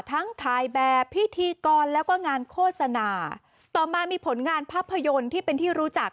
ทั้งถ่ายแบบพิธีกรแล้วก็งานโฆษณาต่อมามีผลงานภาพยนตร์ที่เป็นที่รู้จัก